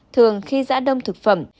thường khi giã đông thực phẩm